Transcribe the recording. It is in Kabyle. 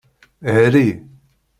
Hri.